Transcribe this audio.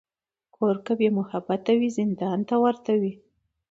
کور که بېمحبته وي، زندان ته ورته وي.